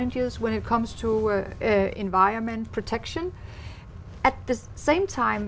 khi tôi nói với các cộng đồng đài